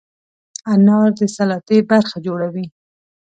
انار د سلاتې برخه جوړوي.